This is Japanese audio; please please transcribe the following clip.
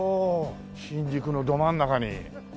新宿のど真ん中に。